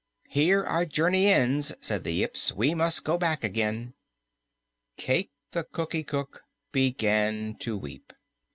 "Here our journey ends," said the Yips. "We must go back again." Cayke the Cookie Cook began to weep.